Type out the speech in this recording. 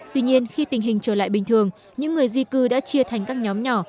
tuy nhiên khi tình hình trở lại bình thường những người di cư đã chia thành các nhóm nhỏ